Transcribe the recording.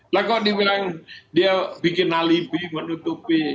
lalu kalau dibilang dia bikin alibi menutupi